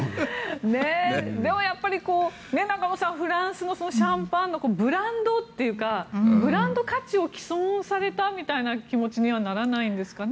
でも中野さん、フランスもシャンパンのブランドというかブランド価値を棄損されたみたいな気持ちにはならないんですかね。